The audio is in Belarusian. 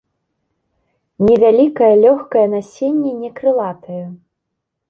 Невялікае, лёгкае насенне не крылатае.